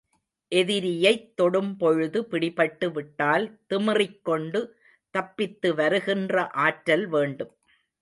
எதிரியைத் தொடும்பொழுது பிடிபட்டு விட்டால், திமிறிக்கொண்டு தப்பித்து வருகின்ற ஆற்றல் வேண்டும்.